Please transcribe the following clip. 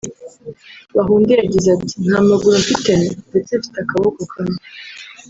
Bahunde yagize ati “Nta maguru mfite ndetse mfite akaboko kamwe